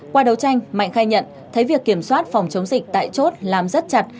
qua đấu tranh mạnh khai nhận thấy việc kiểm soát phòng chống dịch tại chốt làm rất chặt